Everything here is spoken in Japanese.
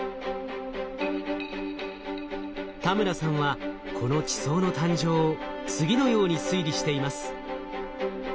田村さんはこの地層の誕生を次のように推理しています。